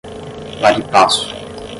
pari passu